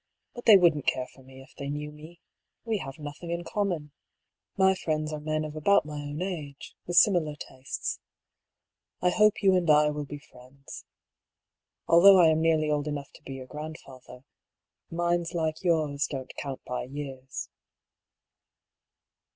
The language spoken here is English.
But they wouldn't care for me if they knew me. We have nothing in common. My friends are men of about my own age, with similar tastes. I hope you and I will be friends. Although I am nearly old enough to be your grandfather — minds like yours don't count by years."